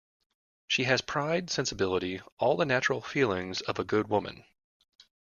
She has pride, sensibility, all the natural feelings of a good woman.